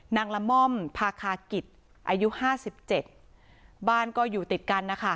ละม่อมพาคากิจอายุห้าสิบเจ็ดบ้านก็อยู่ติดกันนะคะ